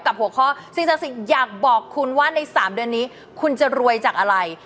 หัวข้อสิ่งศักดิ์สิทธิ์อยากบอกคุณว่าใน๓เดือนนี้คุณจะรวยจากอะไร